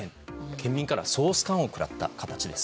県民から総スカンを食らった形です。